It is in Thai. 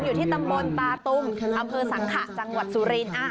อยู่ที่ตำบลตาตุมอำเภอสังขะจังหวัดสุรินทร์